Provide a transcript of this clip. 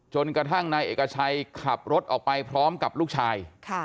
จนกระทั่งนายเอกชัยขับรถออกไปพร้อมกับลูกชาย